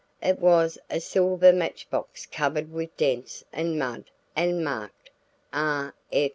It was a silver match box covered with dents and mud and marked "R.